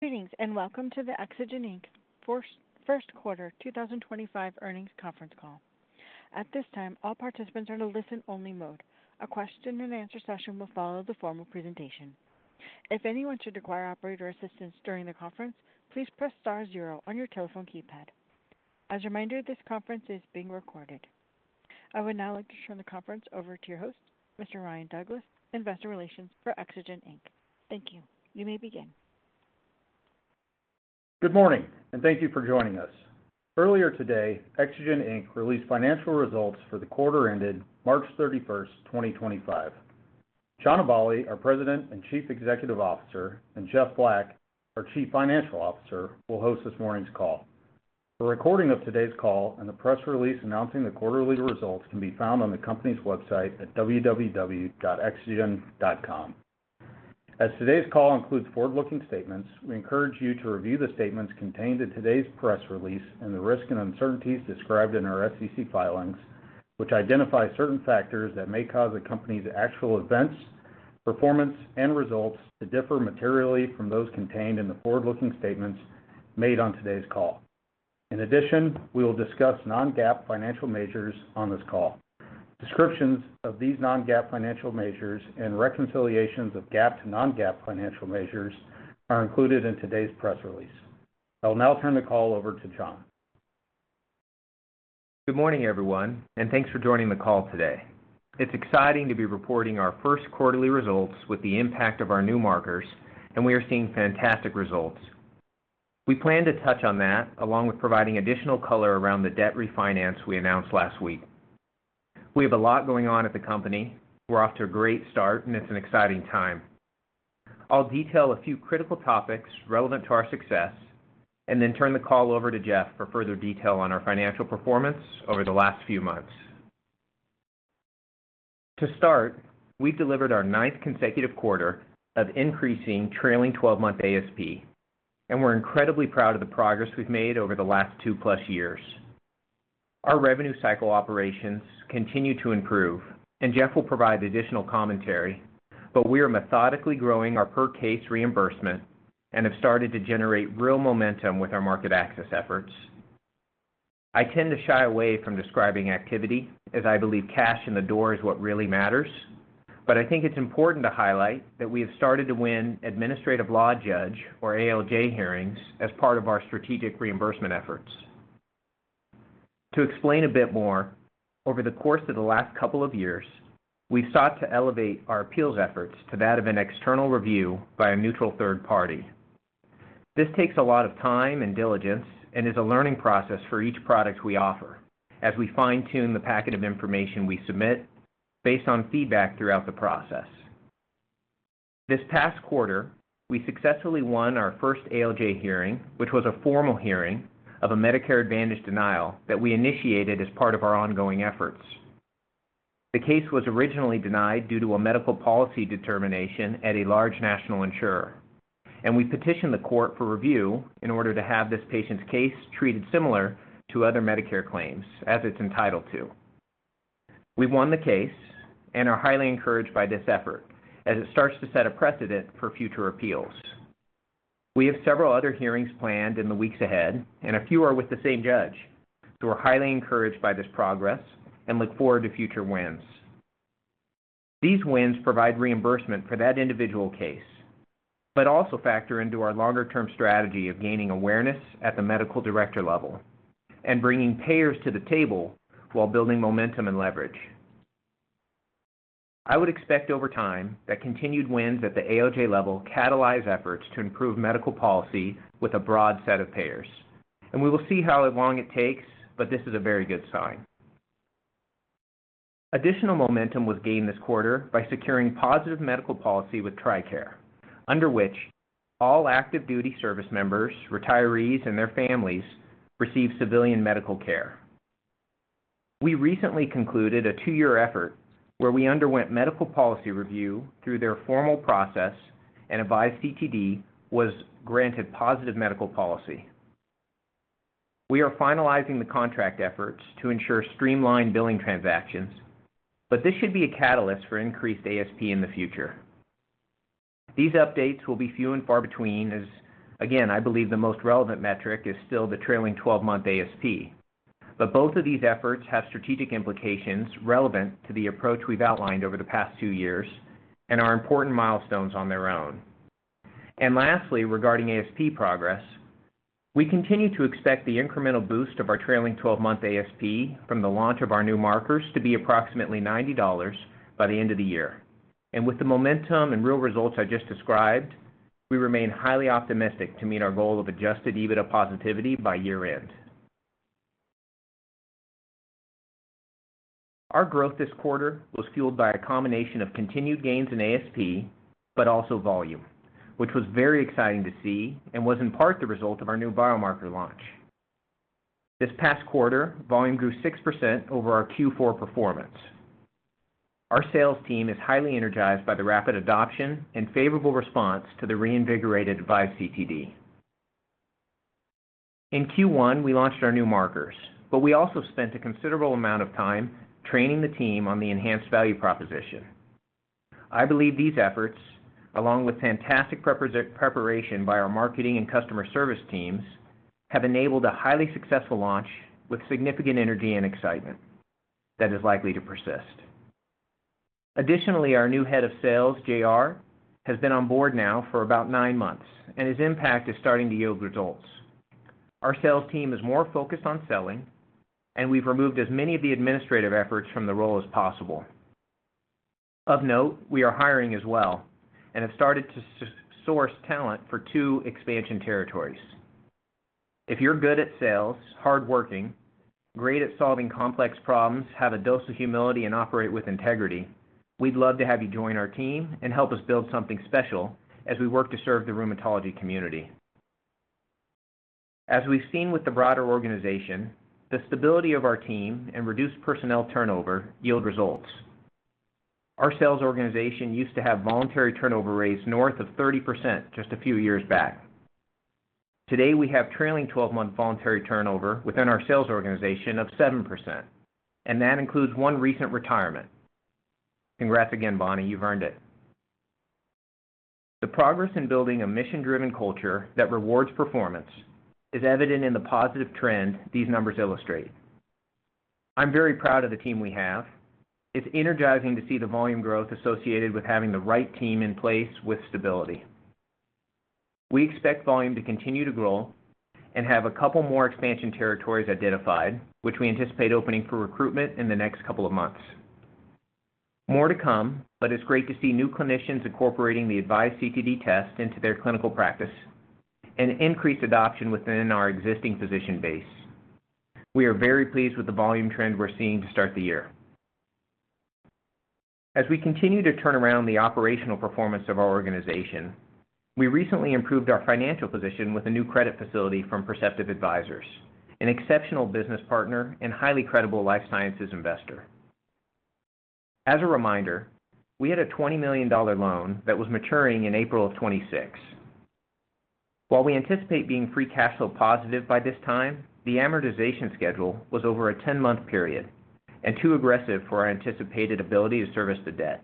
Greetings and welcome to the Exagen First Quarter 2025 earnings conference call. At this time, all participants are in a listen-only mode. A question-and-answer session will follow the formal presentation. If anyone should require operator assistance during the conference, please press star zero on your telephone keypad. As a reminder, this conference is being recorded. I would now like to turn the conference over to your host, Mr. Ryan Douglas, Investor Relations for Exagen. Thank you. You may begin. Good morning, and thank you for joining us. Earlier today, Exagen released financial results for the quarter ended March 31, 2025. John Aballi, our President and Chief Executive Officer, and Jeff Black, our Chief Financial Officer, will host this morning's call. A recording of today's call and the press release announcing the quarterly results can be found on the company's website at www.exagen.com. As today's call includes forward-looking statements, we encourage you to review the statements contained in today's press release and the risk and uncertainties described in our SEC filings, which identify certain factors that may cause a company's actual events, performance, and results to differ materially from those contained in the forward-looking statements made on today's call. In addition, we will discuss non-GAAP financial measures on this call. Descriptions of these non-GAAP financial measures and reconciliations of GAAP to non-GAAP financial measures are included in today's press release. I will now turn the call over to John. Good morning, everyone, and thanks for joining the call today. It's exciting to be reporting our first quarterly results with the impact of our new markers, and we are seeing fantastic results. We plan to touch on that along with providing additional color around the debt refinance we announced last week. We have a lot going on at the company. We're off to a great start, and it's an exciting time. I'll detail a few critical topics relevant to our success and then turn the call over to Jeff for further detail on our financial performance over the last few months. To start, we've delivered our ninth consecutive quarter of increasing trailing 12-month ASP, and we're incredibly proud of the progress we've made over the last 2+ years. Our revenue cycle operations continue to improve, and Jeff will provide additional commentary, but we are methodically growing our per-case reimbursement and have started to generate real momentum with our market access efforts. I tend to shy away from describing activity as I believe cash in the door is what really matters, but I think it's important to highlight that we have started to win Administrative Law Judge or ALJ hearings as part of our strategic reimbursement efforts. To explain a bit more, over the course of the last couple of years, we've sought to elevate our appeals efforts to that of an external review by a neutral third party. This takes a lot of time and diligence and is a learning process for each product we offer as we fine-tune the packet of information we submit based on feedback throughout the process. This past quarter, we successfully won our first ALJ hearing, which was a formal hearing of a Medicare Advantage denial that we initiated as part of our ongoing efforts. The case was originally denied due to a medical policy determination at a large national insurer, and we petitioned the court for review in order to have this patient's case treated similar to other Medicare claims as it's entitled to. We've won the case and are highly encouraged by this effort as it starts to set a precedent for future appeals. We have several other hearings planned in the weeks ahead, and a few are with the same judge, so we're highly encouraged by this progress and look forward to future wins. These wins provide reimbursement for that individual case, but also factor into our longer-term strategy of gaining awareness at the medical director level and bringing payers to the table while building momentum and leverage. I would expect over time that continued wins at the ALJ level catalyze efforts to improve medical policy with a broad set of payers, and we will see how long it takes, but this is a very good sign. Additional momentum was gained this quarter by securing positive medical policy with TRICARE, under which all active duty service members, retirees, and their families receive civilian medical care. We recently concluded a two-year effort where we underwent medical policy review through their formal process and Avise CTD was granted positive medical policy. We are finalizing the contract efforts to ensure streamlined billing transactions, but this should be a catalyst for increased ASP in the future. These updates will be few and far between as, again, I believe the most relevant metric is still the trailing 12-month ASP, but both of these efforts have strategic implications relevant to the approach we've outlined over the past two years and are important milestones on their own. Lastly, regarding ASP progress, we continue to expect the incremental boost of our trailing 12-month ASP from the launch of our new markers to be approximately $90 by the end of the year. With the momentum and real results I just described, we remain highly optimistic to meet our goal of Adjusted EBITDA positivity by year-end. Our growth this quarter was fueled by a combination of continued gains in ASP, but also volume, which was very exciting to see and was in part the result of our new biomarker launch. This past quarter, volume grew 6% over our Q4 performance. Our sales team is highly energized by the rapid adoption and favorable response to the reinvigorated Avise CTD. In Q1, we launched our new markers, but we also spent a considerable amount of time training the team on the enhanced value proposition. I believe these efforts, along with fantastic preparation by our marketing and customer service teams, have enabled a highly successful launch with significant energy and excitement that is likely to persist. Additionally, our new Head of Sales, JR, has been on board now for about nine months, and his impact is starting to yield results. Our sales team is more focused on selling, and we've removed as many of the administrative efforts from the role as possible. Of note, we are hiring as well and have started to source talent for two expansion territories. If you're good at sales, hardworking, great at solving complex problems, have a dose of humility, and operate with integrity, we'd love to have you join our team and help us build something special as we work to serve the rheumatology community. As we've seen with the broader organization, the stability of our team and reduced personnel turnover yield results. Our sales organization used to have voluntary turnover rates north of 30% just a few years back. Today, we have trailing 12-month voluntary turnover within our sales organization of 7%, and that includes one recent retirement. Congrats again, Bonnie. You've earned it. The progress in building a mission-driven culture that rewards performance is evident in the positive trend these numbers illustrate. I'm very proud of the team we have. It's energizing to see the volume growth associated with having the right team in place with stability. We expect volume to continue to grow and have a couple more expansion territories identified, which we anticipate opening for recruitment in the next couple of months. More to come, but it's great to see new clinicians incorporating the Avise CTD test into their clinical practice and increased adoption within our existing physician base. We are very pleased with the volume trend we're seeing to start the year. As we continue to turn around the operational performance of our organization, we recently improved our financial position with a new credit facility from Perceptive Advisors, an exceptional business partner and highly credible life sciences investor. As a reminder, we had a $20 million loan that was maturing in April of 2026. While we anticipate being free cash flow positive by this time, the amortization schedule was over a 10-month period and too aggressive for our anticipated ability to service the debt.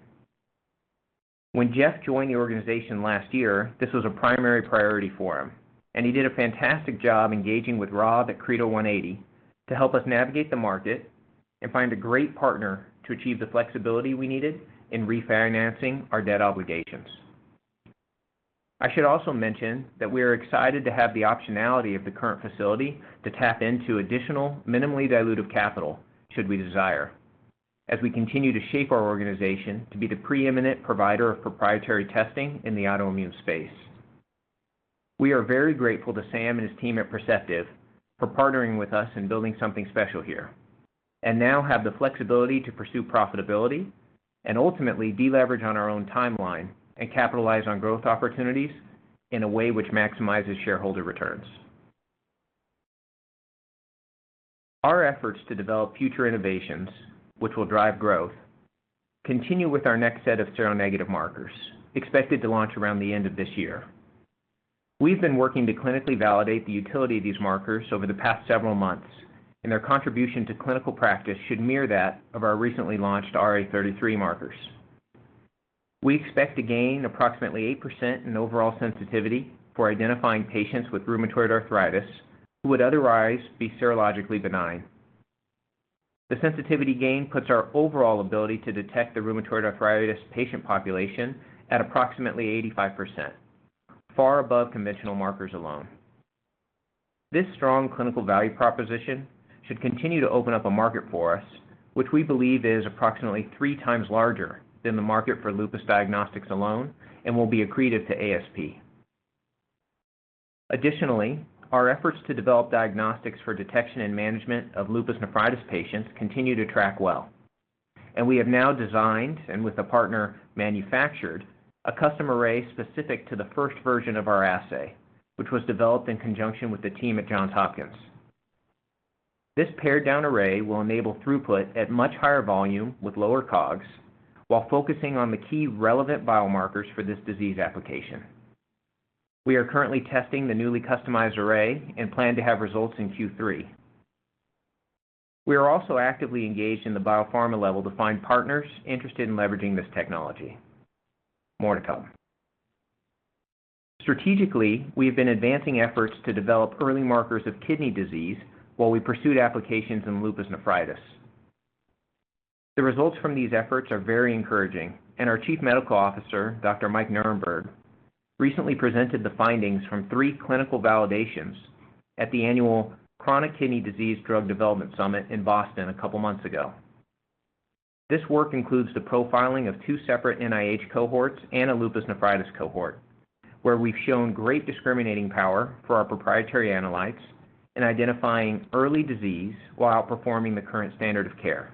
When Jeff joined the organization last year, this was a primary priority for him, and he did a fantastic job engaging with Rob at Credo 180 to help us navigate the market and find a great partner to achieve the flexibility we needed in refinancing our debt obligations. I should also mention that we are excited to have the optionality of the current facility to tap into additional minimally dilutive capital should we desire, as we continue to shape our organization to be the preeminent provider of proprietary testing in the autoimmune space. We are very grateful to Sam and his team at Perceptive for partnering with us in building something special here, and now have the flexibility to pursue profitability and ultimately deleverage on our own timeline and capitalize on growth opportunities in a way which maximizes shareholder returns. Our efforts to develop future innovations, which will drive growth, continue with our next set of seronegative markers expected to launch around the end of this year. We've been working to clinically validate the utility of these markers over the past several months, and their contribution to clinical practice should mirror that of our recently launched RA33 markers. We expect to gain approximately 8% in overall sensitivity for identifying patients with rheumatoid arthritis who would otherwise be serologically benign. The sensitivity gain puts our overall ability to detect the rheumatoid arthritis patient population at approximately 85%, far above conventional markers alone. This strong clinical value proposition should continue to open up a market for us, which we believe is approximately three times larger than the market for lupus diagnostics alone and will be accretive to ASP. Additionally, our efforts to develop diagnostics for detection and management of lupus nephritis patients continue to track well, and we have now designed and with a partner manufactured a custom array specific to the first version of our assay, which was developed in conjunction with the team at Johns Hopkins. This pared-down array will enable throughput at much higher volume with lower COGS while focusing on the key relevant biomarkers for this disease application. We are currently testing the newly customized array and plan to have results in Q3. We are also actively engaged in the biopharma level to find partners interested in leveraging this technology. More to come. Strategically, we have been advancing efforts to develop early markers of kidney disease while we pursue applications in lupus nephritis. The results from these efforts are very encouraging, and our Chief Medical Officer, Dr. Mike Nerenberg recently presented the findings from three clinical validations at the annual Chronic Kidney Disease Drug Development Summit in Boston a couple of months ago. This work includes the profiling of two separate NIH cohorts and a lupus nephritis cohort, where we've shown great discriminating power for our proprietary analytes in identifying early disease while outperforming the current standard of care.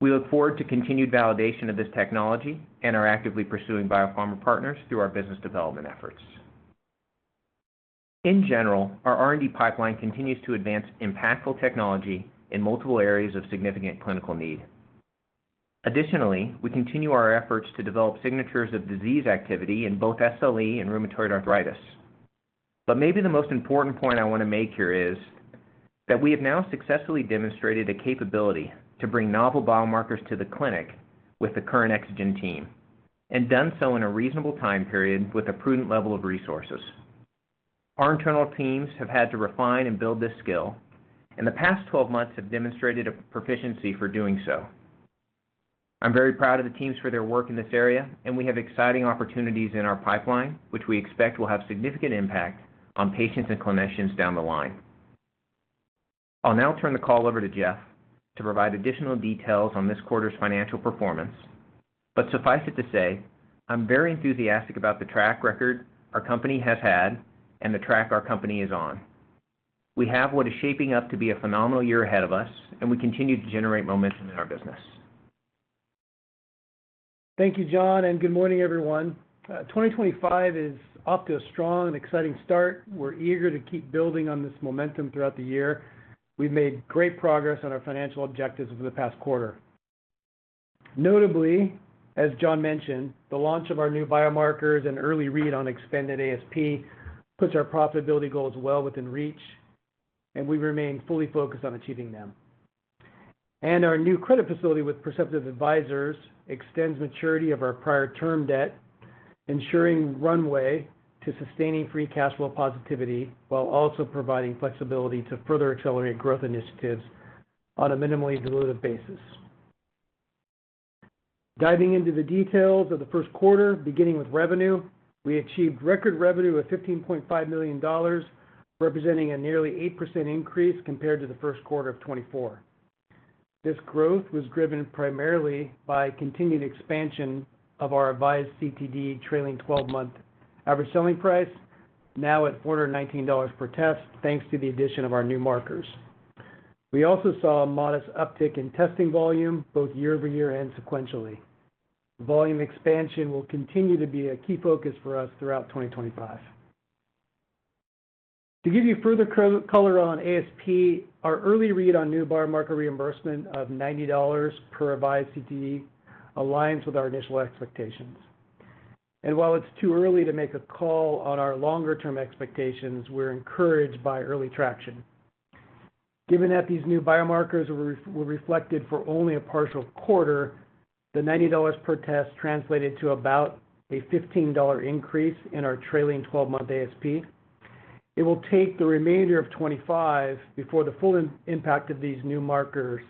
We look forward to continued validation of this technology and are actively pursuing biopharma partners through our business development efforts. In general, our R&D pipeline continues to advance impactful technology in multiple areas of significant clinical need. Additionally, we continue our efforts to develop signatures of disease activity in both SLE and rheumatoid arthritis. Maybe the most important point I want to make here is that we have now successfully demonstrated a capability to bring novel biomarkers to the clinic with the current Exagen team and done so in a reasonable time period with a prudent level of resources. Our internal teams have had to refine and build this skill, and the past 12 months have demonstrated a proficiency for doing so. I'm very proud of the teams for their work in this area, and we have exciting opportunities in our pipeline, which we expect will have significant impact on patients and clinicians down the line. I'll now turn the call over to Jeff to provide additional details on this quarter's financial performance, but suffice it to say, I'm very enthusiastic about the track record our company has had and the track our company is on. We have what is shaping up to be a phenomenal year ahead of us, and we continue to generate momentum in our business. Thank you, John, and good morning, everyone. 2025 is off to a strong and exciting start. We're eager to keep building on this momentum throughout the year. We've made great progress on our financial objectives over the past quarter. Notably, as John mentioned, the launch of our new biomarkers and early read on expanded ASP puts our profitability goals well within reach, and we remain fully focused on achieving them. Our new credit facility with Perceptive Advisors extends maturity of our prior term debt, ensuring runway to sustaining free cash flow positivity while also providing flexibility to further accelerate growth initiatives on a minimally dilutive basis. Diving into the details of the first quarter, beginning with revenue, we achieved record revenue of $15.5 million, representing a nearly 8% increase compared to the first quarter of 2024. This growth was driven primarily by continued expansion of our Avise CTD trailing 12-month average selling price, now at $419 per test, thanks to the addition of our new markers. We also saw a modest uptick in testing volume, both year-over-year and sequentially. Volume expansion will continue to be a key focus for us throughout 2025. To give you further color on ASP, our early read on new biomarker reimbursement of $90 per Avise CTD aligns with our initial expectations. While it is too early to make a call on our longer-term expectations, we are encouraged by early traction. Given that these new biomarkers were reflected for only a partial quarter, the $90 per test translated to about a $15 increase in our trailing 12-month ASP. It will take the remainder of 2025 before the full impact of these new markers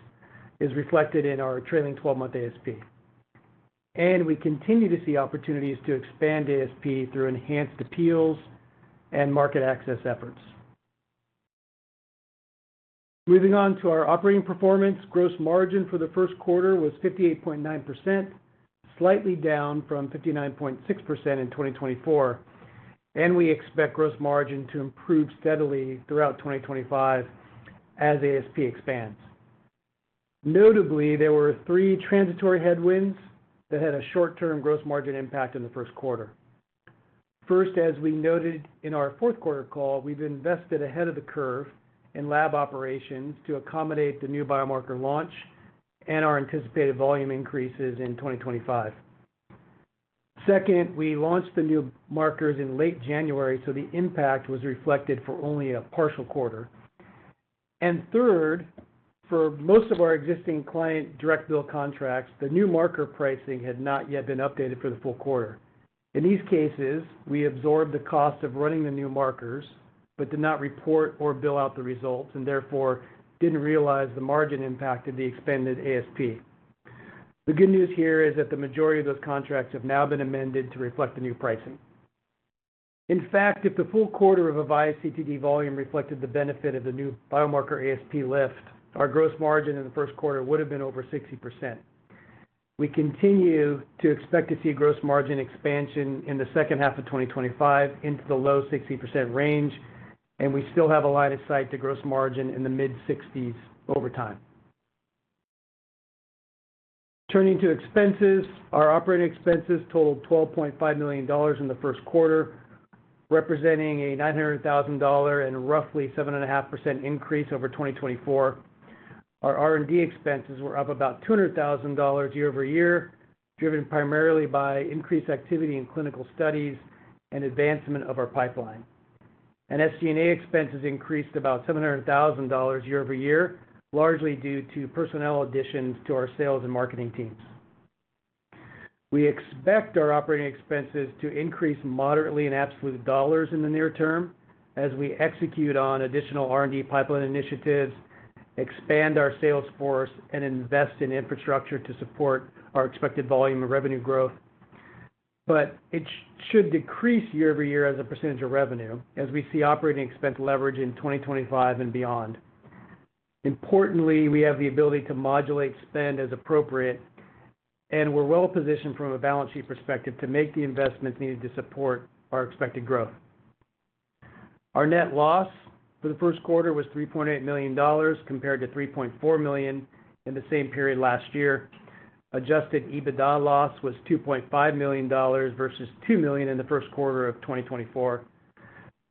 is reflected in our trailing 12-month ASP. We continue to see opportunities to expand ASP through enhanced appeals and market access efforts. Moving on to our operating performance, gross margin for the first quarter was 58.9%, slightly down from 59.6% in 2024, and we expect gross margin to improve steadily throughout 2025 as ASP expands. Notably, there were three transitory headwinds that had a short-term gross margin impact in the first quarter. First, as we noted in our fourth quarter call, we've invested ahead of the curve in lab operations to accommodate the new biomarker launch and our anticipated volume increases in 2025. Second, we launched the new markers in late January, so the impact was reflected for only a partial quarter. Third, for most of our existing client direct bill contracts, the new marker pricing had not yet been updated for the full quarter. In these cases, we absorbed the cost of running the new markers but did not report or bill out the results and therefore did not realize the margin impact of the expanded ASP. The good news here is that the majority of those contracts have now been amended to reflect the new pricing. In fact, if the full quarter of Avise CTD volume reflected the benefit of the new biomarker ASP lift, our gross margin in the first quarter would have been over 60%. We continue to expect to see gross margin expansion in the second half of 2025 into the low 60% range, and we still have a line of sight to gross margin in the mid-60s over time. Turning to expenses, our operating expenses totaled $12.5 million in the first quarter, representing a $900,000 and roughly 7.5% increase over 2024. Our R&D expenses were up about $200,000 year-over-year, driven primarily by increased activity in clinical studies and advancement of our pipeline. SG&A expenses increased about $700,000 year-over-year, largely due to personnel additions to our sales and marketing teams. We expect our operating expenses to increase moderately in absolute dollars in the near term as we execute on additional R&D pipeline initiatives, expand our sales force, and invest in infrastructure to support our expected volume and revenue growth. It should decrease year-over-year as a percentage of revenue as we see operating expense leverage in 2025 and beyond. Importantly, we have the ability to modulate spend as appropriate, and we're well-positioned from a balance sheet perspective to make the investments needed to support our expected growth. Our net loss for the first quarter was $3.8 million compared to $3.4 million in the same period last year. Adjusted EBITDA loss was $2.5 million versus $2 million in the first quarter of 2024.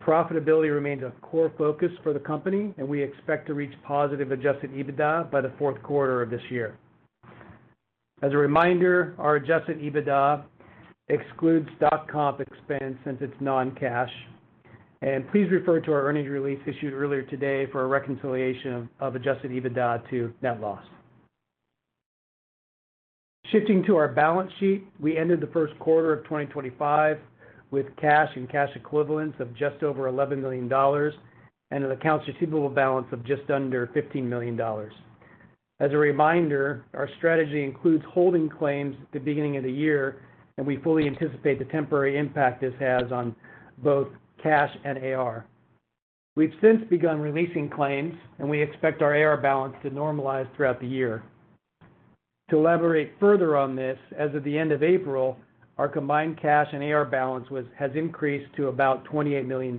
Profitability remains a core focus for the company, and we expect to reach positive Adjusted EBITDA by the fourth quarter of this year. As a reminder, our Adjusted EBITDA excludes stock-comp expense since it's non-cash. Please refer to our earnings release issued earlier today for a reconciliation of Adjusted EBITDA to net loss. Shifting to our balance sheet, we ended the first quarter of 2025 with cash and cash equivalents of just over $11 million and an accounts receivable balance of just under $15 million. As a reminder, our strategy includes holding claims at the beginning of the year, and we fully anticipate the temporary impact this has on both cash and AR. We've since begun releasing claims, and we expect our AR balance to normalize throughout the year. To elaborate further on this, as of the end of April, our combined cash and AR balance has increased to about $28 million,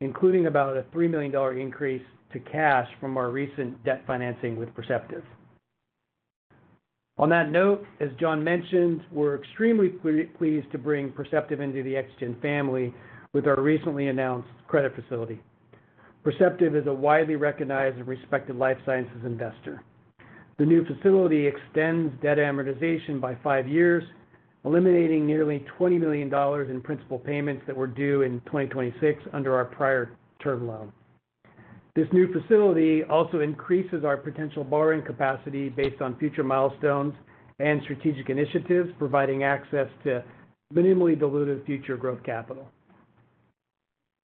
including about a $3 million increase to cash from our recent debt financing with Perceptive. On that note, as John mentioned, we're extremely pleased to bring Perceptive into the Exagen family with our recently announced credit facility. Perceptive is a widely recognized and respected life sciences investor. The new facility extends debt amortization by five years, eliminating nearly $20 million in principal payments that were due in 2026 under our prior term loan. This new facility also increases our potential borrowing capacity based on future milestones and strategic initiatives, providing access to minimally diluted future growth capital.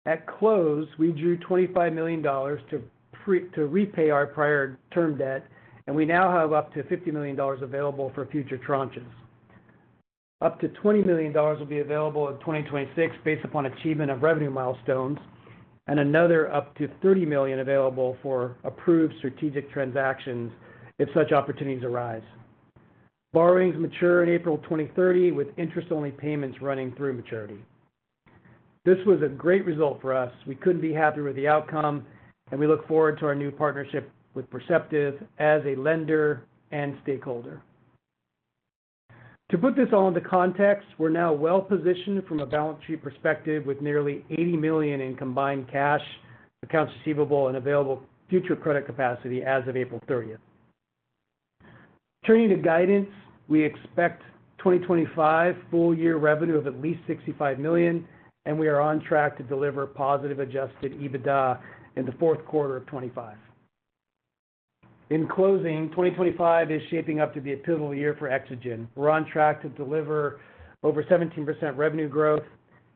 At close, we drew $25 million to repay our prior term debt, and we now have up to $50 million available for future tranches. Up to $20 million will be available in 2026 based upon achievement of revenue milestones, and another up to $30 million available for approved strategic transactions if such opportunities arise. Borrowings mature in April 2030, with interest-only payments running through maturity. This was a great result for us. We couldn't be happier with the outcome, and we look forward to our new partnership with Perceptive as a lender and stakeholder. To put this all into context, we're now well-positioned from a balance sheet perspective with nearly $80 million in combined cash, accounts receivable, and available future credit capacity as of April 30. Turning to guidance, we expect 2025 full-year revenue of at least $65 million, and we are on track to deliver positive Adjusted EBITDA in the fourth quarter of 2025. In closing, 2025 is shaping up to be a pivotal year for Exagen. We're on track to deliver over 17% revenue growth.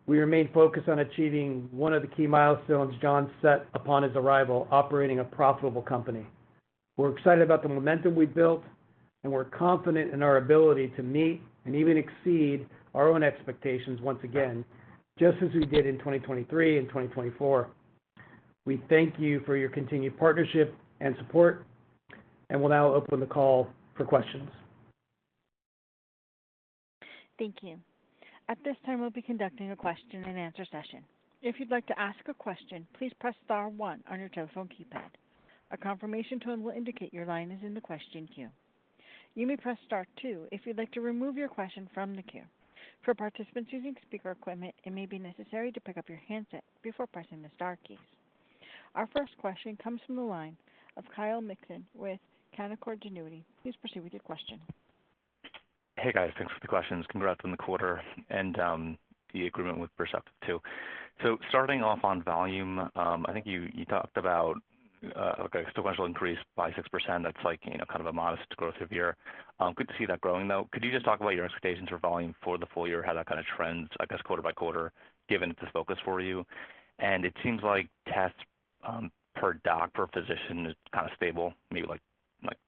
We remain focused on achieving one of the key milestones John set upon his arrival: operating a profitable company. We're excited about the momentum we've built, and we're confident in our ability to meet and even exceed our own expectations once again, just as we did in 2023 and 2024. We thank you for your continued partnership and support, and we'll now open the call for questions. Thank you. At this time, we'll be conducting a question-and-answer session. If you'd like to ask a question, please press star one on your telephone keypad. A confirmation tone will indicate your line is in the question queue. You may press star two if you'd like to remove your question from the queue. For participants using speaker equipment, it may be necessary to pick up your handset before pressing the star keys. Our first question comes from the line of Kyle Mikson with Canaccord Genuity. Please proceed with your question. Hey, guys. Thanks for the questions. Congrats on the quarter and the agreement with Perceptive too. Starting off on volume, I think you talked about a sequential increase by 6%. That's kind of a modest growth of year. Good to see that growing, though. Could you just talk about your expectations for volume for the full year? How that kind of trends, I guess, quarter by quarter, given this focus for you? It seems like tests per doc per physician is kind of stable, maybe like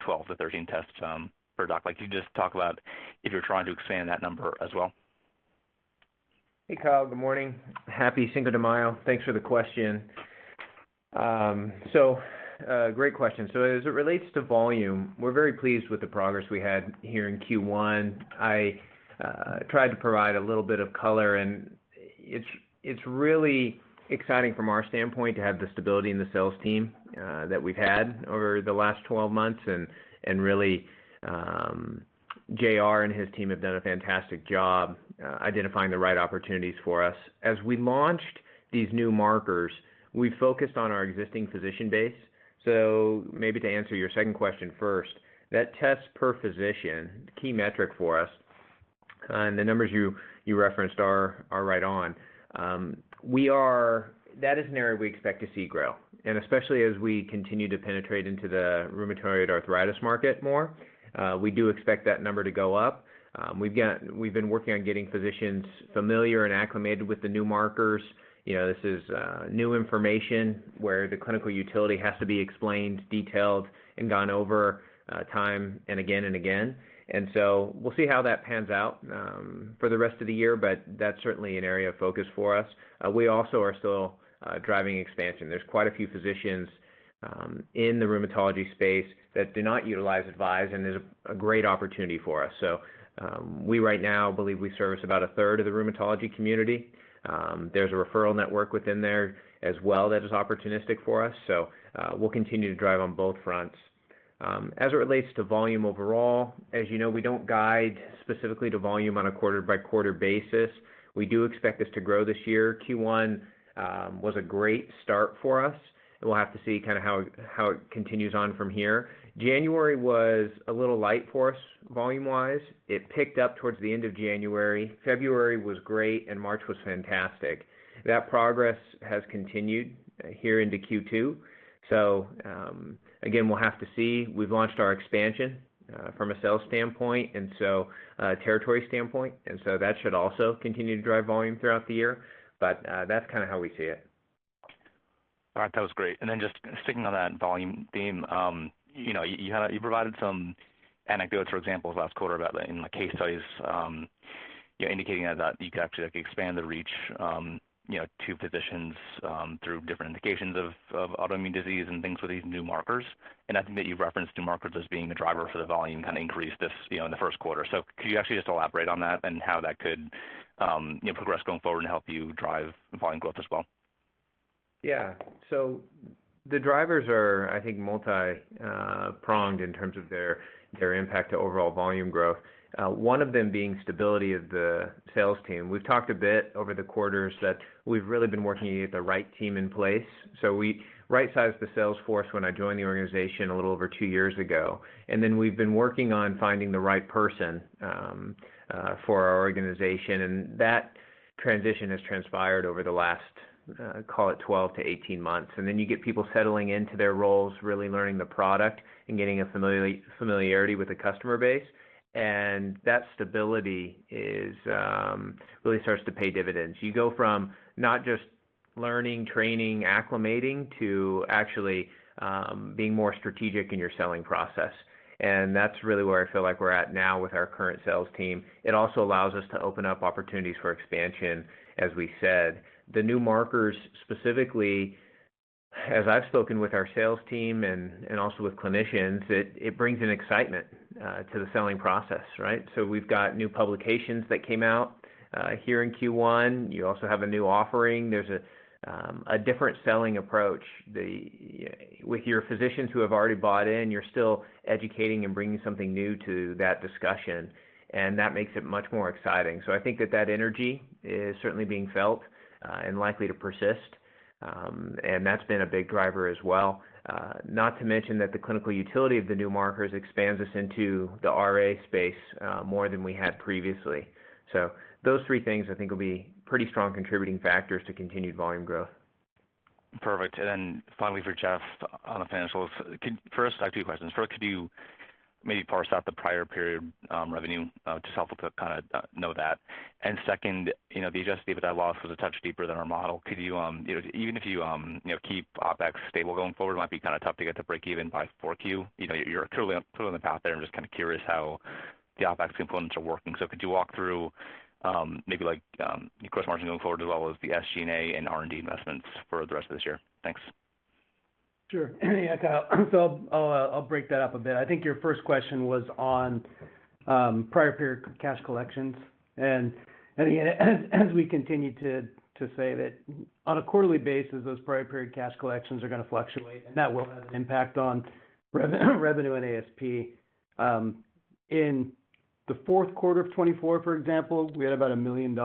12-13 tests per doc. Could you just talk about if you're trying to expand that number as well? Hey, Kyle. Good morning. Happy Cinco de Mayo. Thanks for the question. Great question. As it relates to volume, we're very pleased with the progress we had here in Q1. I tried to provide a little bit of color, and it's really exciting from our standpoint to have the stability in the sales team that we've had over the last 12 months. Really, JR and his team have done a fantastic job identifying the right opportunities for us. As we launched these new markers, we focused on our existing physician base. Maybe to answer your second question first, that test per physician, key metric for us, and the numbers you referenced are right on. That is an area we expect to see grow, especially as we continue to penetrate into the rheumatoid arthritis market more. We do expect that number to go up. We've been working on getting physicians familiar and acclimated with the new markers. This is new information where the clinical utility has to be explained, detailed, and gone over time and again and again. We'll see how that pans out for the rest of the year, but that's certainly an area of focus for us. We also are still driving expansion. There's quite a few physicians in the rheumatology space that do not utilize Avise, and there's a great opportunity for us. We right now believe we service about a third of the rheumatology community. There's a referral network within there as well that is opportunistic for us. We'll continue to drive on both fronts. As it relates to volume overall, as you know, we don't guide specifically to volume on a quarter-by-quarter basis. We do expect this to grow this year. Q1 was a great start for us. We'll have to see kind of how it continues on from here. January was a little light for us volume-wise. It picked up towards the end of January. February was great, and March was fantastic. That progress has continued here into Q2. Again, we'll have to see. We've launched our expansion from a sales standpoint and territory standpoint, and that should also continue to drive volume throughout the year. That's kind of how we see it. All right. That was great. Just sticking on that volume theme, you provided some anecdotes or examples last quarter in the case studies indicating that you could actually expand the reach to physicians through different indications of autoimmune disease and things with these new markers. I think that you've referenced new markers as being the driver for the volume kind of increase in the first quarter. Could you actually just elaborate on that and how that could progress going forward and help you drive volume growth as well? Yeah. The drivers are, I think, multi-pronged in terms of their impact to overall volume growth. One of them being stability of the sales team. We've talked a bit over the quarters that we've really been working to get the right team in place. We right-sized the sales force when I joined the organization a little over two years ago, and then we've been working on finding the right person for our organization. That transition has transpired over the last, call it, 12 to 18 months. You get people settling into their roles, really learning the product and getting a familiarity with the customer base. That stability really starts to pay dividends. You go from not just learning, training, acclimating to actually being more strategic in your selling process. That's really where I feel like we're at now with our current sales team. It also allows us to open up opportunities for expansion. As we said, the new markers specifically, as I've spoken with our sales team and also with clinicians, it brings an excitement to the selling process, right? We've got new publications that came out here in Q1. You also have a new offering. There's a different selling approach. With your physicians who have already bought in, you're still educating and bringing something new to that discussion, and that makes it much more exciting. I think that that energy is certainly being felt and likely to persist. That's been a big driver as well. Not to mention that the clinical utility of the new markers expands us into the RA space more than we had previously. Those three things, I think, will be pretty strong contributing factors to continued volume growth. Perfect. Finally, for Jeff on the financials, I have two questions. First, could you maybe parse out the prior period revenue? Just helpful to kind of know that. Second, the Adjusted EBITDA loss was a touch deeper than our model. Even if you keep OpEx stable going forward, it might be kind of tough to get the break-even by Q4. You're clearly on the path there and just kind of curious how the OpEx components are working. Could you walk through maybe gross margin going forward as well as the SG&A and R&D investments for the rest of this year? Thanks. Sure. Yeah, Kyle. I'll break that up a bit. I think your first question was on prior period cash collections. Again, as we continue to say that on a quarterly basis, those prior period cash collections are going to fluctuate, and that will have an impact on revenue and ASP. In the fourth quarter of 2024, for example, we had about $1 million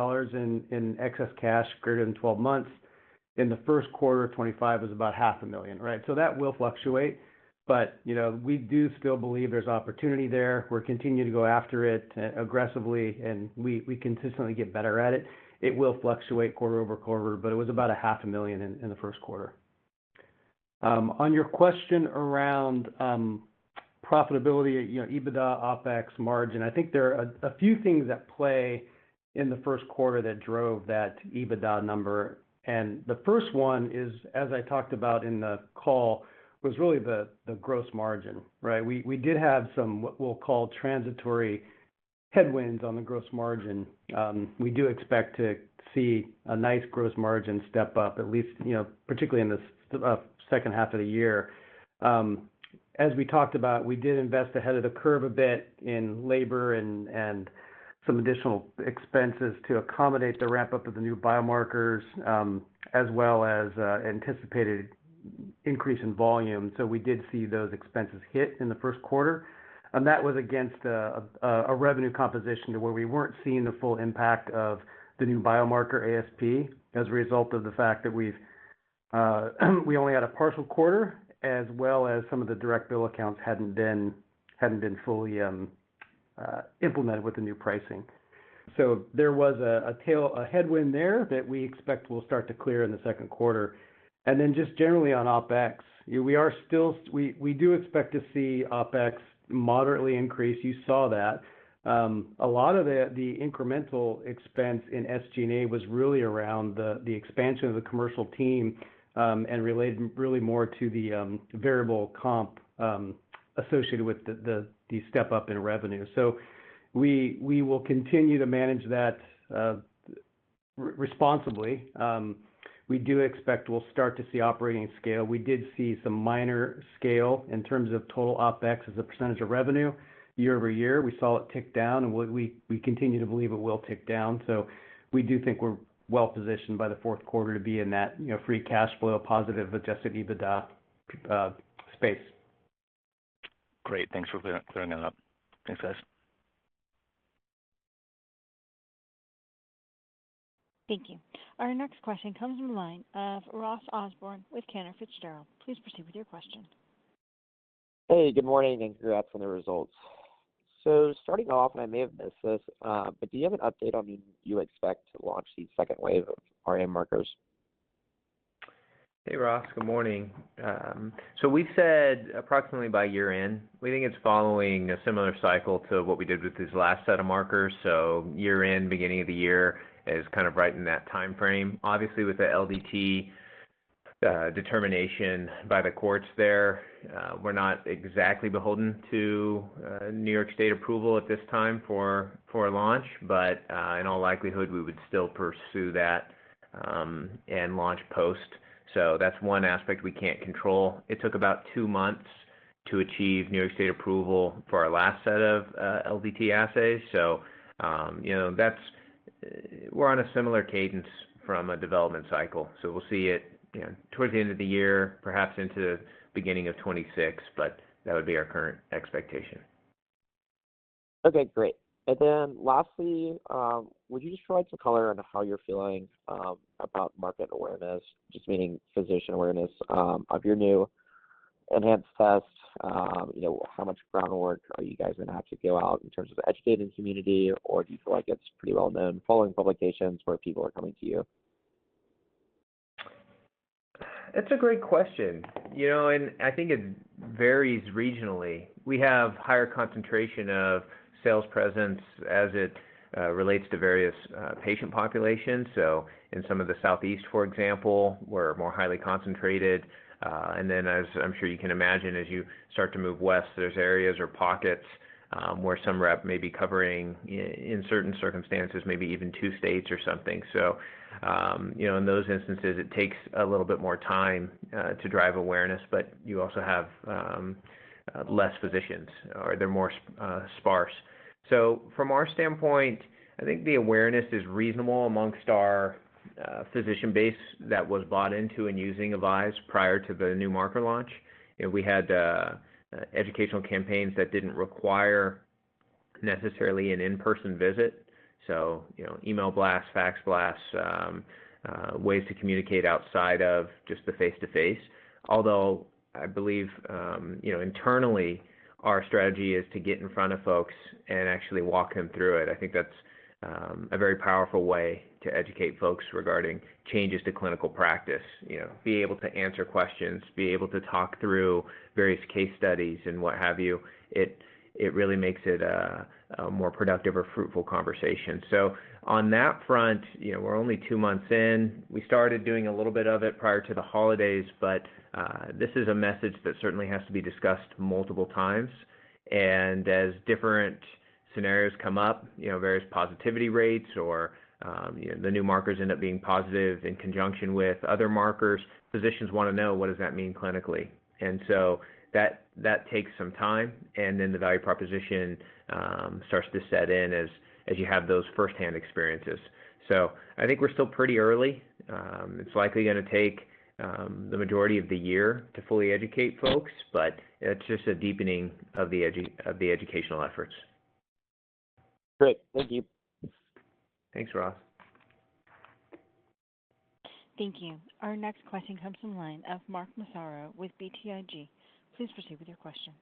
in excess cash greater than 12 months. In the first quarter of 2025, it was about $500,000, right? That will fluctuate. We do still believe there's opportunity there. We're continuing to go after it aggressively, and we consistently get better at it. It will fluctuate quarter over quarter, but it was about $500,000 in the first quarter. On your question around profitability, EBITDA, OpEx, margin, I think there are a few things at play in the first quarter that drove that EBITDA number. The first one is, as I talked about in the call, really the gross margin, right? We did have some, what we'll call, transitory headwinds on the gross margin. We do expect to see a nice gross margin step up, at least particularly in the second half of the year. As we talked about, we did invest ahead of the curve a bit in labor and some additional expenses to accommodate the ramp-up of the new biomarkers as well as anticipated increase in volume. We did see those expenses hit in the first quarter. That was against a revenue composition to where we were not seeing the full impact of the new biomarker ASP as a result of the fact that we only had a partial quarter as well as some of the direct bill accounts had not been fully implemented with the new pricing. There was a headwind there that we expect will start to clear in the second quarter. Just generally on OpEx, we do expect to see OpEx moderately increase. You saw that. A lot of the incremental expense in SG&A was really around the expansion of the commercial team and related really more to the variable comp associated with the step-up in revenue. We will continue to manage that responsibly. We do expect we'll start to see operating scale. We did see some minor scale in terms of total OPEX as a percentage of revenue year over year. We saw it tick down, and we continue to believe it will tick down. We do think we're well-positioned by the fourth quarter to be in that free cash flow, positive Adjusted EBITDA space. Great. Thanks for clearing that up. Thanks, guys. Thank you. Our next question comes from the line of Ross Osborn with Cantor Fitzgerald. Please proceed with your question. Hey, good morning. Thanks for that and the results. Starting off, and I may have missed this, but do you have an update on when you expect to launch the second wave of RA markers? Hey, Ross. Good morning. We said approximately by year-end. We think it's following a similar cycle to what we did with this last set of markers. Year-end, beginning of the year is kind of right in that time frame. Obviously, with the LDT determination by the courts there, we're not exactly beholden to New York State approval at this time for launch, but in all likelihood, we would still pursue that and launch post. That's one aspect we can't control. It took about two months to achieve New York State approval for our last set of LDT assays. We're on a similar cadence from a development cycle. We'll see it towards the end of the year, perhaps into the beginning of 2026, but that would be our current expectation. Okay. Great. Lastly, would you describe the color and how you're feeling about market awareness, just meaning physician awareness of your new enhanced test? How much groundwork are you guys going to have to go out in terms of educating the community, or do you feel like it's pretty well-known following publications where people are coming to you? It's a great question. I think it varies regionally. We have a higher concentration of sales presence as it relates to various patient populations. In some of the Southeast, for example, we're more highly concentrated. As you start to move west, there are areas or pockets where some rep may be covering, in certain circumstances, maybe even two states or something. In those instances, it takes a little bit more time to drive awareness, but you also have fewer physicians, or they are more sparse. From our standpoint, I think the awareness is reasonable amongst our physician base that was bought into and using Avise prior to the new marker launch. We had educational campaigns that did not require necessarily an in-person visit. Email blasts, fax blasts, ways to communicate outside of just the face-to-face. Although I believe internally, our strategy is to get in front of folks and actually walk them through it. I think that is a very powerful way to educate folks regarding changes to clinical practice. Be able to answer questions, be able to talk through various case studies and what have you. It really makes it a more productive or fruitful conversation. On that front, we're only two months in. We started doing a little bit of it prior to the holidays, but this is a message that certainly has to be discussed multiple times. As different scenarios come up, various positivity rates or the new markers end up being positive in conjunction with other markers, physicians want to know what does that mean clinically. That takes some time, and then the value proposition starts to set in as you have those firsthand experiences. I think we're still pretty early. It's likely going to take the majority of the year to fully educate folks, but it's just a deepening of the educational efforts. Great. Thank you. Thanks, Ross. Thank you. Our next question comes from the line of Mark Masaro with BTIG. Please proceed with your question.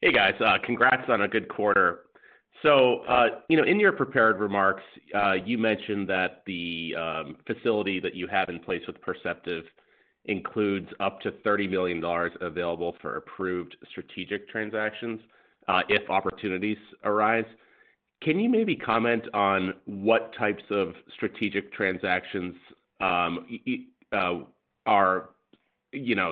Hey, guys. Congrats on a good quarter. In your prepared remarks, you mentioned that the facility that you have in place with Perceptive includes up to $30 million available for approved strategic transactions if opportunities arise. Can you maybe comment on what types of strategic transactions are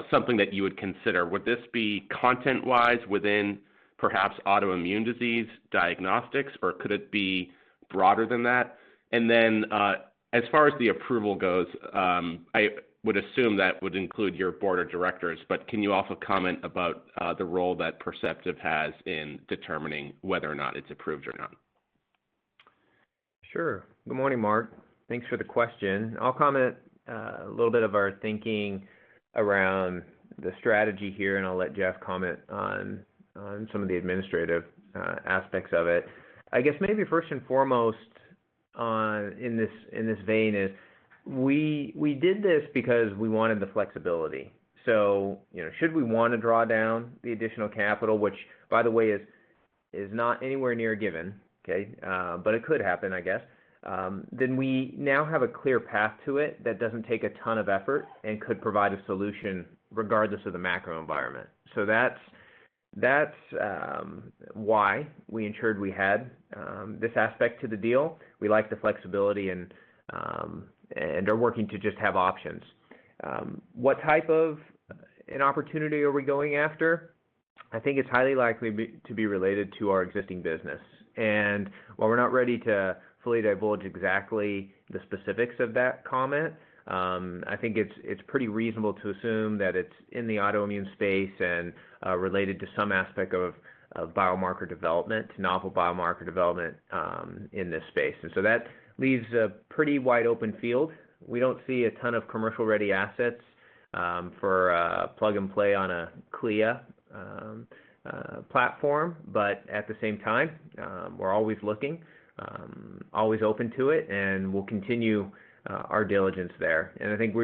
something that you would consider? Would this be content-wise within perhaps autoimmune disease diagnostics, or could it be broader than that? As far as the approval goes, I would assume that would include your board of directors, but can you also comment about the role that Perceptive has in determining whether or not it's approved or not? Sure. Good morning, Mark. Thanks for the question. I'll comment a little bit of our thinking around the strategy here, and I'll let Jeff comment on some of the administrative aspects of it. I guess maybe first and foremost in this vein is we did this because we wanted the flexibility. Should we want to draw down the additional capital, which, by the way, is not anywhere near given, okay? It could happen, I guess. We now have a clear path to it that does not take a ton of effort and could provide a solution regardless of the macro environment. That is why we ensured we had this aspect to the deal. We like the flexibility and are working to just have options. What type of an opportunity are we going after? I think it is highly likely to be related to our existing business. While we're not ready to fully divulge exactly the specifics of that comment, I think it's pretty reasonable to assume that it's in the autoimmune space and related to some aspect of biomarker development, novel biomarker development in this space. That leaves a pretty wide open field. We don't see a ton of commercial-ready assets for plug-and-play on a CLIA platform, but at the same time, we're always looking, always open to it, and we'll continue our diligence there. I think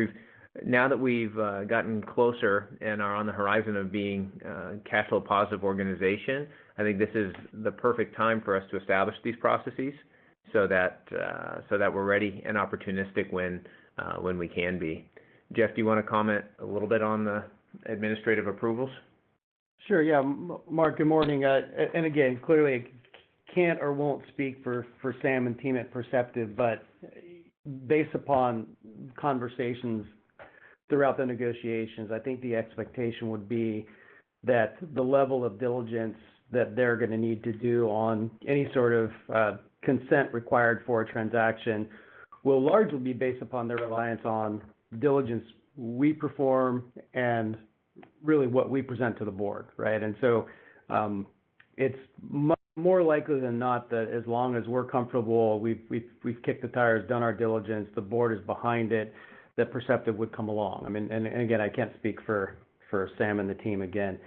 now that we've gotten closer and are on the horizon of being a cash flow positive organization, I think this is the perfect time for us to establish these processes so that we're ready and opportunistic when we can be. Jeff, do you want to comment a little bit on the administrative approvals? Sure. Yeah. Mark, good morning. Clearly, I can't or won't speak for Sam and team at Perceptive, but based upon conversations throughout the negotiations, I think the expectation would be that the level of diligence that they're going to need to do on any sort of consent required for a transaction will largely be based upon their reliance on diligence we perform and really what we present to the board, right? It is more likely than not that as long as we're comfortable, we've kicked the tires, done our diligence, the board is behind it, that Perceptive would come along. I mean, I can't speak for Sam and the team again.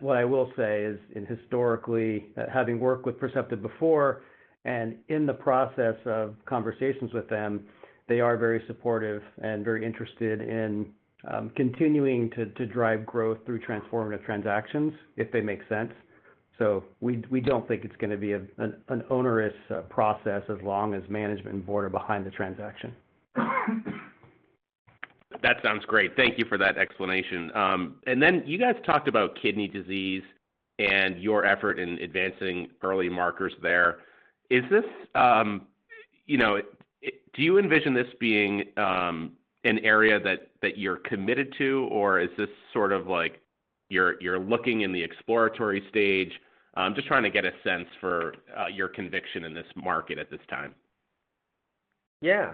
What I will say is, historically, having worked with Perceptive before and in the process of conversations with them, they are very supportive and very interested in continuing to drive growth through transformative transactions if they make sense. We do not think it is going to be an onerous process as long as management and board are behind the transaction. That sounds great. Thank you for that explanation. You guys talked about kidney disease and your effort in advancing early markers there. Do you envision this being an area that you are committed to, or is this sort of like you are looking in the exploratory stage? I am just trying to get a sense for your conviction in this market at this time. Yeah.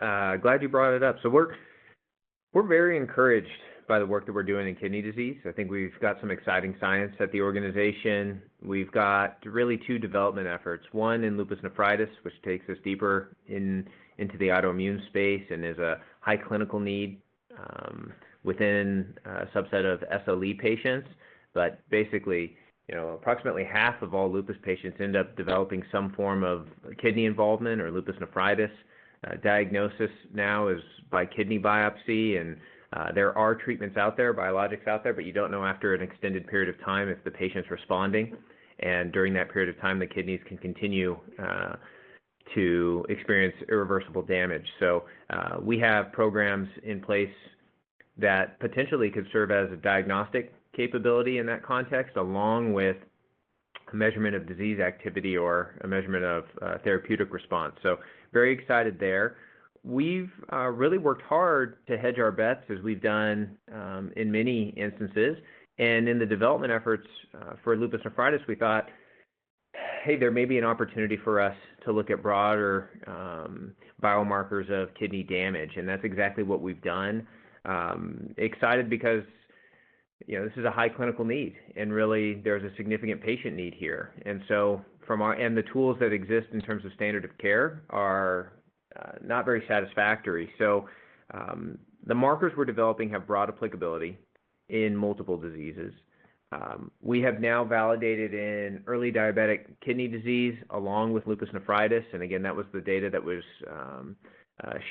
Glad you brought it up. We are very encouraged by the work that we are doing in kidney disease. I think we have got some exciting science at the organization. We have got really two development efforts. One in lupus nephritis, which takes us deeper into the autoimmune space and is a high clinical need within a subset of SLE patients. Basically, approximately half of all lupus patients end up developing some form of kidney involvement or lupus nephritis. Diagnosis now is by kidney biopsy, and there are treatments out there, biologics out there, but you do not know after an extended period of time if the patient is responding. During that period of time, the kidneys can continue to experience irreversible damage. We have programs in place that potentially could serve as a diagnostic capability in that context along with a measurement of disease activity or a measurement of therapeutic response. Very excited there. We have really worked hard to hedge our bets as we have done in many instances. In the development efforts for lupus nephritis, we thought, "Hey, there may be an opportunity for us to look at broader biomarkers of kidney damage." That is exactly what we have done. Excited because this is a high clinical need, and really, there's a significant patient need here. The tools that exist in terms of standard of care are not very satisfactory. The markers we're developing have broad applicability in multiple diseases. We have now validated in early diabetic kidney disease along with lupus nephritis. That was the data that was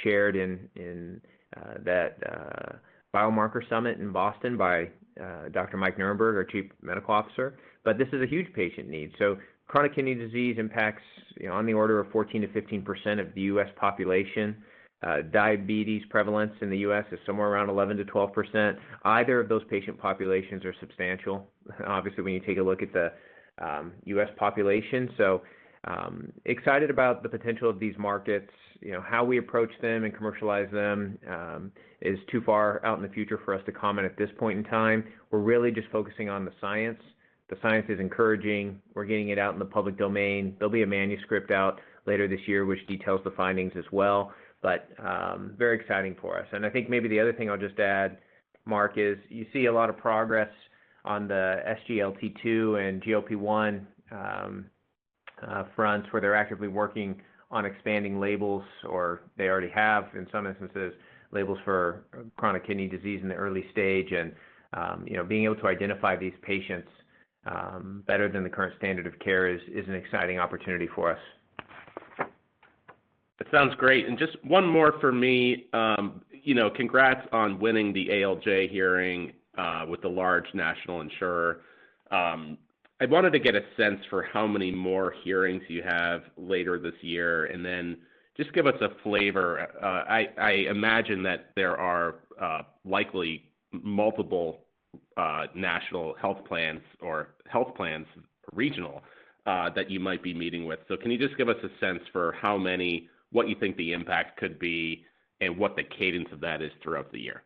shared in that biomarker summit in Boston by Dr. Mike Nerenberg, our Chief Medical Officer. This is a huge patient need. Chronic kidney disease impacts on the order of 14%-15% of the U.S. population. Diabetes prevalence in the U.S. is somewhere around 11%-12%. Either of those patient populations are substantial, obviously, when you take a look at the U.S. population. Excited about the potential of these markets. How we approach them and commercialize them is too far out in the future for us to comment at this point in time. We're really just focusing on the science. The science is encouraging. We're getting it out in the public domain. There'll be a manuscript out later this year, which details the findings as well. Very exciting for us. I think maybe the other thing I'll just add, Mark, is you see a lot of progress on the SGLT2 and GLP-1 fronts where they're actively working on expanding labels, or they already have, in some instances, labels for chronic kidney disease in the early stage. Being able to identify these patients better than the current standard of care is an exciting opportunity for us. That sounds great. Just one more for me. Congrats on winning the ALJ hearing with the large national insurer. I wanted to get a sense for how many more hearings you have later this year, and then just give us a flavor. I imagine that there are likely multiple national health plans or health plans regional that you might be meeting with. Can you just give us a sense for what you think the impact could be and what the cadence of that is throughout the year?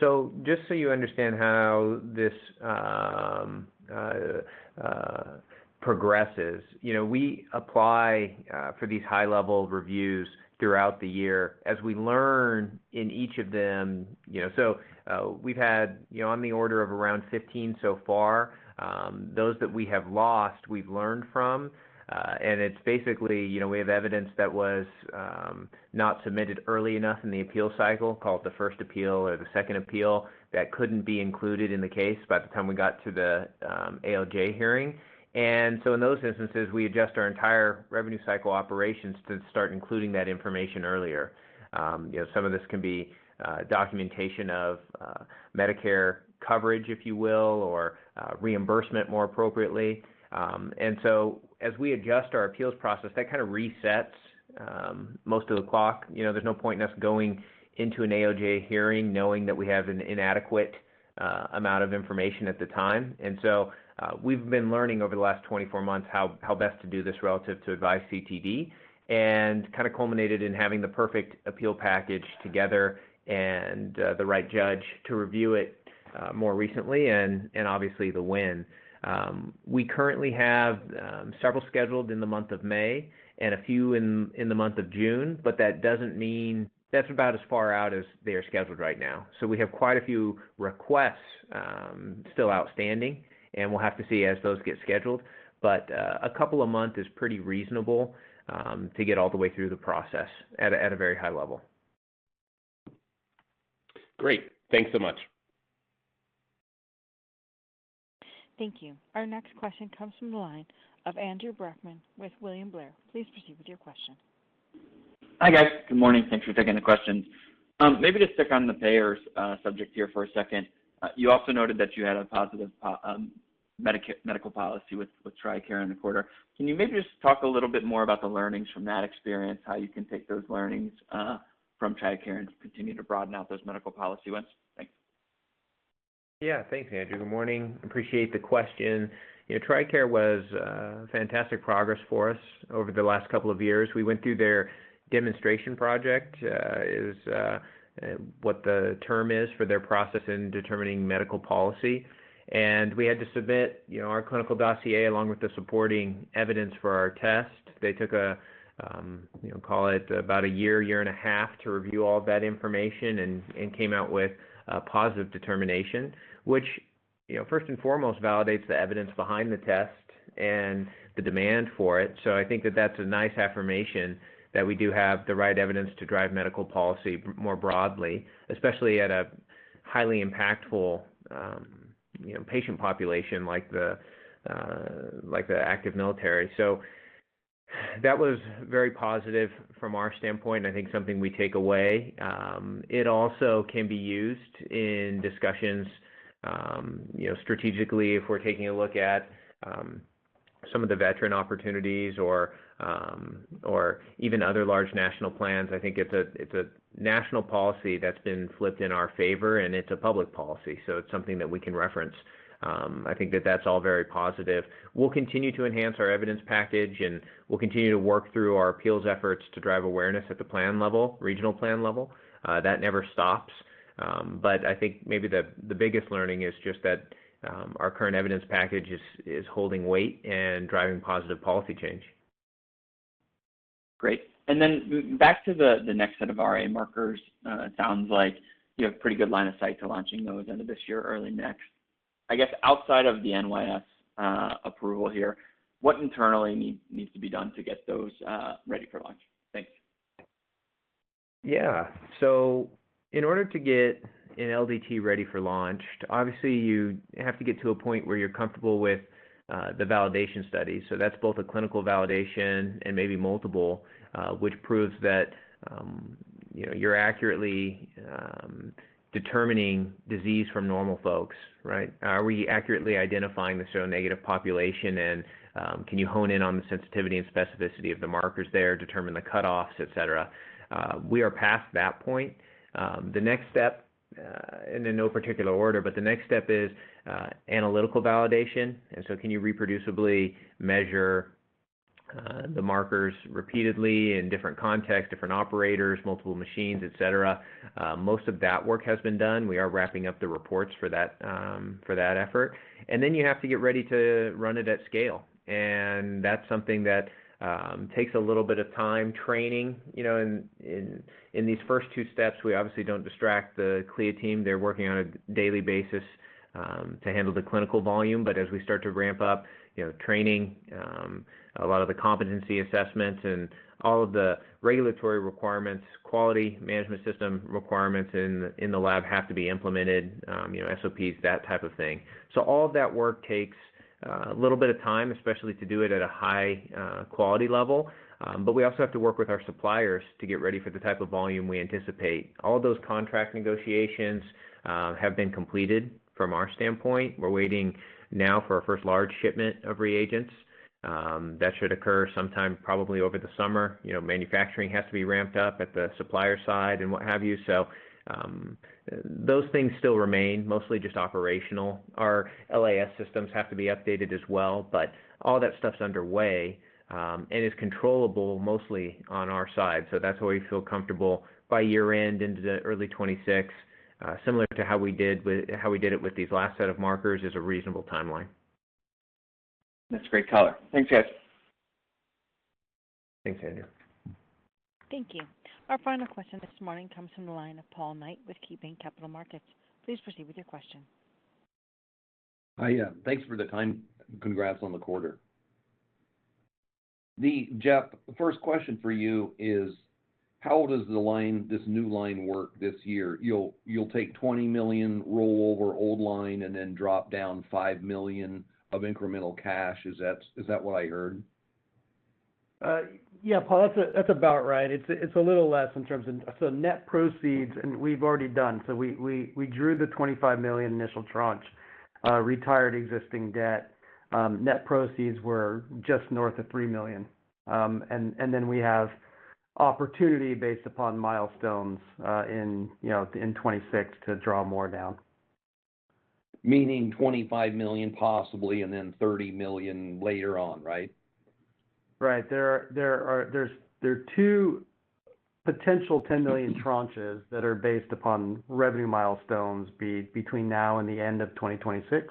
Yeah. Just so you understand how this progresses, we apply for these high-level reviews throughout the year as we learn in each of them. We've had on the order of around 15 so far. Those that we have lost, we've learned from. We have evidence that was not submitted early enough in the appeal cycle called the first appeal or the second appeal that could not be included in the case by the time we got to the ALJ hearing. In those instances, we adjust our entire revenue cycle operations to start including that information earlier. Some of this can be documentation of Medicare coverage, if you will, or reimbursement more appropriately. As we adjust our appeals process, that kind of resets most of the clock. There is no point in us going into an ALJ hearing knowing that we have an inadequate amount of information at the time. We have been learning over the last 24 months how best to do this relative to Avise CTD and it kind of culminated in having the perfect appeal package together and the right judge to review it more recently and obviously the win. We currently have several scheduled in the month of May and a few in the month of June, but that does not mean that is about as far out as they are scheduled right now. We have quite a few requests still outstanding, and we will have to see as those get scheduled. A couple of months is pretty reasonable to get all the way through the process at a very high level. Great. Thanks so much. Thank you. Our next question comes from the line of Andrew Brackmann with William Blair. Please proceed with your question. Hi, guys. Good morning. Thanks for taking the question. Maybe just stick on the payers subject here for a second. You also noted that you had a positive medical policy with TRICARE in the quarter. Can you maybe just talk a little bit more about the learnings from that experience, how you can take those learnings from TRICARE and continue to broaden out those medical policy ones? Thanks. Yeah. Thanks, Andrew. Good morning. Appreciate the question. TRICARE was fantastic progress for us over the last couple of years. We went through their demonstration project, what the term is for their process in determining medical policy. And we had to submit our clinical dossier along with the supporting evidence for our test. They took a, call it, about a year, year and a half to review all that information and came out with a positive determination, which first and foremost validates the evidence behind the test and the demand for it. I think that that's a nice affirmation that we do have the right evidence to drive medical policy more broadly, especially at a highly impactful patient population like the active military. That was very positive from our standpoint. I think something we take away. It also can be used in discussions strategically if we're taking a look at some of the veteran opportunities or even other large national plans. I think it's a national policy that's been flipped in our favor, and it's a public policy. It's something that we can reference. I think that that's all very positive. We'll continue to enhance our evidence package, and we'll continue to work through our appeals efforts to drive awareness at the plan level, regional plan level. That never stops. I think maybe the biggest learning is just that our current evidence package is holding weight and driving positive policy change. Great. Back to the next set of RA markers, it sounds like you have a pretty good line of sight to launching those end of this year, early next. I guess outside of the NYS approval here, what internally needs to be done to get those ready for launch? Thanks. Yeah. In order to get an LDT ready for launch, obviously, you have to get to a point where you're comfortable with the validation studies. That's both a clinical validation and maybe multiple, which proves that you're accurately determining disease from normal folks, right? Are we accurately identifying the seronegative population? Can you hone in on the sensitivity and specificity of the markers there, determine the cutoffs, etc.? We are past that point. The next step, in no particular order, is analytical validation. Can you reproducibly measure the markers repeatedly in different contexts, different operators, multiple machines, etc.? Most of that work has been done. We are wrapping up the reports for that effort. You have to get ready to run it at scale. That is something that takes a little bit of time training. In these first two steps, we obviously do not distract the CLIA team. They are working on a daily basis to handle the clinical volume. As we start to ramp up training, a lot of the competency assessments and all of the regulatory requirements, quality management system requirements in the lab have to be implemented, SOPs, that type of thing. All of that work takes a little bit of time, especially to do it at a high quality level. We also have to work with our suppliers to get ready for the type of volume we anticipate. All those contract negotiations have been completed from our standpoint. We are waiting now for our first large shipment of reagents. That should occur sometime probably over the summer. Manufacturing has to be ramped up at the supplier side and what have you. Those things still remain, mostly just operational. Our LAS systems have to be updated as well, but all that stuff is underway and is controllable mostly on our side. That's why we feel comfortable by year-end into the early 2026, similar to how we did it with these last set of markers, is a reasonable timeline. That's great color. Thanks, guys. Thanks, Andrew. Thank you. Our final question this morning comes from the line of Paul Knight with KeyBanc Capital Markets. Please proceed with your question. Hi, yeah. Thanks for the time. Congrats on the quarter. Jeff, first question for you is, how does this new line work this year? You'll take $20 million, roll over old line, and then drop down $5 million of incremental cash. Is that what I heard? Yeah, Paul, that's about right. It's a little less in terms of net proceeds, and we've already done. We drew the $25 million initial tranche, retired existing debt. Net proceeds were just north of $3 million. We have opportunity based upon milestones in 2026 to draw more down. Meaning $25 million possibly and then $30 million later on, right? Right. There are two potential $10 million tranches that are based upon revenue milestones between now and the end of 2026.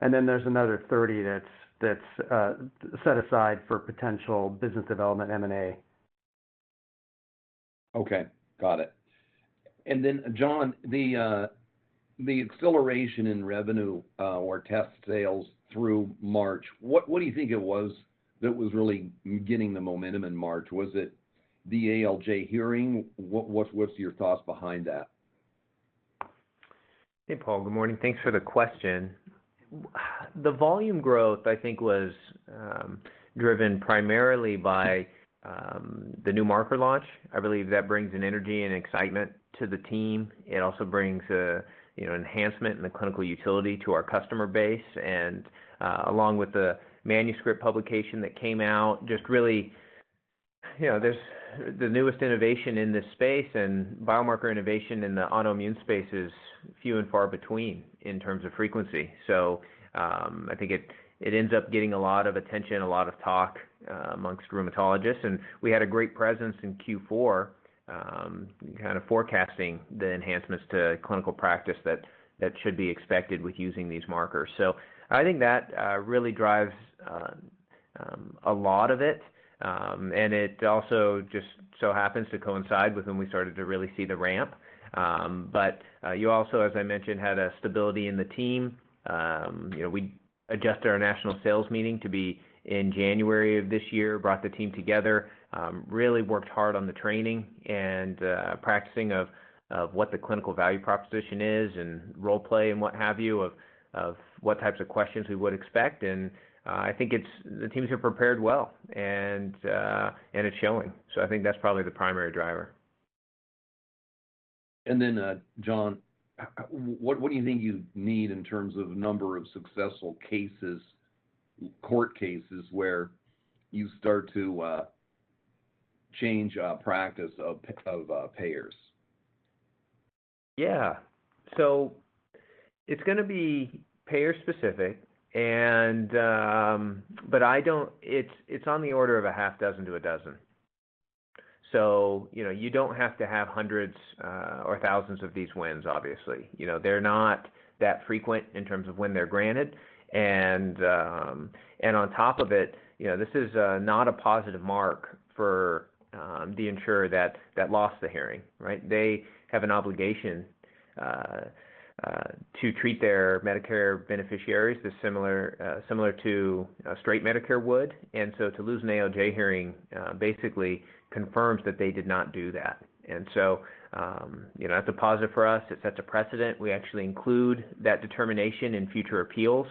There is another $30 million that is set aside for potential business development M&A. Okay. Got it. John, the acceleration in revenue or test sales through March, what do you think it was that was really getting the momentum in March? Was it the ALJ hearing? What is your thoughts behind that? Hey, Paul. Good morning. Thanks for the question. The volume growth, I think, was driven primarily by the new marker launch. I believe that brings an energy and excitement to the team. It also brings enhancement in the clinical utility to our customer base. Along with the manuscript publication that came out, just really the newest innovation in this space and biomarker innovation in the autoimmune space is few and far between in terms of frequency. I think it ends up getting a lot of attention, a lot of talk amongst rheumatologists. We had a great presence in Q4 kind of forecasting the enhancements to clinical practice that should be expected with using these markers. I think that really drives a lot of it. It also just so happens to coincide with when we started to really see the ramp. You also, as I mentioned, had a stability in the team. We adjusted our national sales meeting to be in January of this year, brought the team together, really worked hard on the training and practicing of what the clinical value proposition is and role play and what have you of what types of questions we would expect. I think the teams are prepared well, and it's showing. I think that's probably the primary driver. John, what do you think you need in terms of number of successful cases, court cases where you start to change practice of payers? Yeah. It's going to be payer-specific, but it's on the order of a half dozen to a dozen. You don't have to have hundreds or thousands of these wins, obviously. They're not that frequent in terms of when they're granted. On top of it, this is not a positive mark for the insurer that lost the hearing, right? They have an obligation to treat their Medicare beneficiaries similar to straight Medicare would. To lose an ALJ hearing basically confirms that they did not do that. That is a positive for us. It sets a precedent. We actually include that determination in future appeals.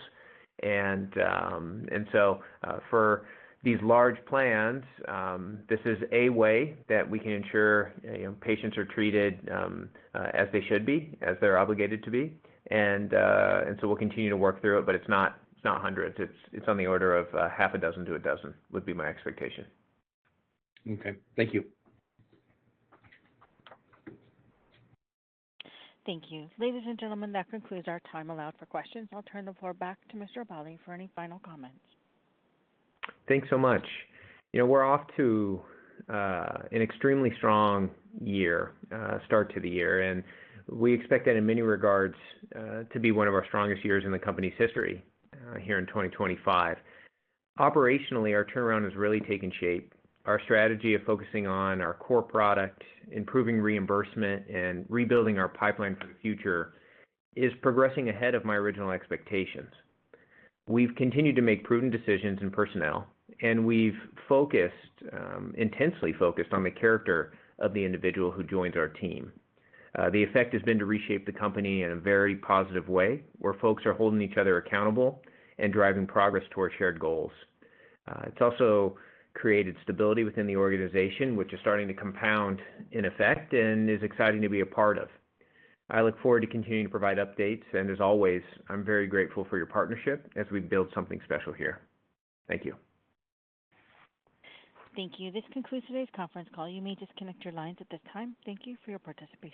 For these large plans, this is a way that we can ensure patients are treated as they should be, as they are obligated to be. We will continue to work through it, but it is not hundreds. It is on the order of half a dozen to a dozen would be my expectation. Okay. Thank you. Thank you. Ladies and gentlemen, that concludes our time allowed for questions. I will turn the floor back to Mr. Aballi for any final comments. Thanks so much. We're off to an extremely strong start to the year. We expect that in many regards to be one of our strongest years in the company's history here in 2025. Operationally, our turnaround has really taken shape. Our strategy of focusing on our core product, improving reimbursement, and rebuilding our pipeline for the future is progressing ahead of my original expectations. We've continued to make prudent decisions in personnel, and we've intensely focused on the character of the individual who joins our team. The effect has been to reshape the company in a very positive way where folks are holding each other accountable and driving progress towards shared goals. It's also created stability within the organization, which is starting to compound in effect and is exciting to be a part of. I look forward to continuing to provide updates. I am very grateful for your partnership as we build something special here. Thank you. Thank you. This concludes today's conference call. You may disconnect your lines at this time. Thank you for your participation.